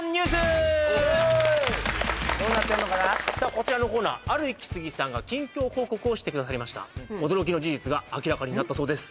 こちらのコーナーあるイキスギさんが近況報告をしてくださいました驚きの事実が明らかになったそうです